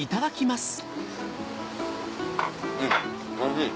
うんおいしい。